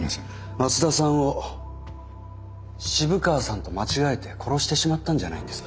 松田さんを渋川さんと間違えて殺してしまったんじゃないんですか。